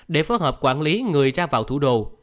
để phóng hợp quản lý người ra vào thủ đồ